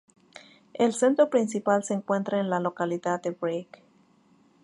El centro principal se encuentra en la localidad de Brig.